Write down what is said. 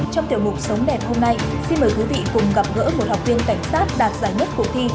trong tiểu mục sống đẹp hôm nay xin mời quý vị cùng gặp gỡ một học viên cảnh sát đạt giải nhất cuộc thi